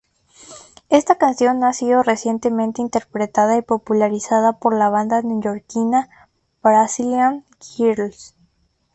Esta canción ha sido recientemente interpretada y popularizada por la banda neoyorquina Brazilian Girls.